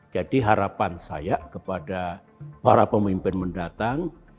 jadi harapan saya kepada para pemimpin mendatang